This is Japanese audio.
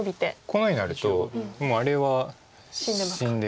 このようになるともうあれは死んでるんです。